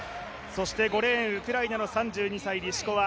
そして５レーンウクライナの３２歳、リシコワ。